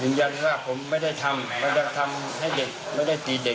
น่ายจันตรงนี้ว่าผมยังไม่ได้ทำให้เด็กไม่ได้ตีเด็ก